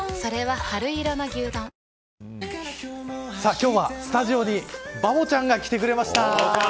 今日はスタジオにバボちゃんが来てくれました。